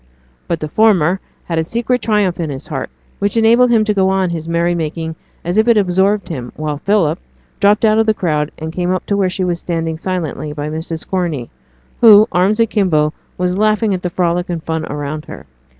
But the former had a secret triumph in his heart which enabled him to go on with his merry making as if it absorbed him; while Philip dropped out of the crowd and came up to where she was standing silently by Mrs. Corney, who, arms akimbo, was laughing at the frolic and fun around her.